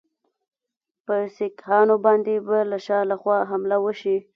پر سیکهانو باندي به شا له خوا حمله وشي.